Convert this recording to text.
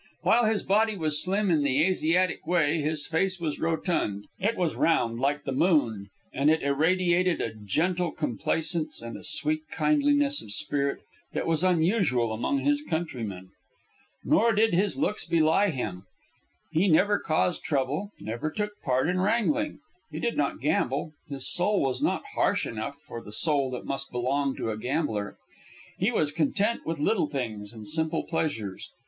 While his body was slim in the Asiatic way, his face was rotund. It was round, like the moon, and it irradiated a gentle complacence and a sweet kindliness of spirit that was unusual among his countrymen. Nor did his looks belie him. He never caused trouble, never took part in wrangling. He did not gamble. His soul was not harsh enough for the soul that must belong to a gambler. He was content with little things and simple pleasures.